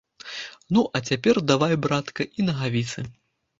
Ну, а цяпер давай, братка, і нагавіцы.